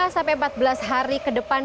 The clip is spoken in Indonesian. lima sampai empat belas hari ke depan